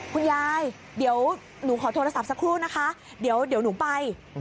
คุณยายเดี๋ยวหนูขอโทรศัพท์สักครู่นะคะเดี๋ยวหนูไป